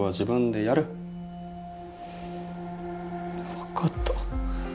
分かった